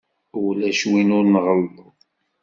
Ulac win ur nɣelleḍ.